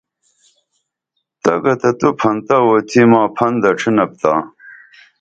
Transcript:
تگہ تہ تو پھن تہ اُوتھی ماں پھن دڇِھنپ تا